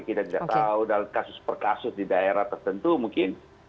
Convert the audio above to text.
kita tidak tahu dalam kasus per kasus di daerah tertentu mungkin